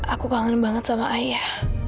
aku kangen banget sama ayah